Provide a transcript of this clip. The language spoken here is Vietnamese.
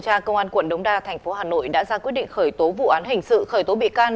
tra công an quận đống đa thành phố hà nội đã ra quyết định khởi tố vụ án hình sự khởi tố bị can